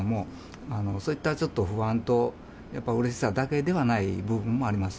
そういったちょっと不安とやっぱ嬉しさだけではない部分もあります。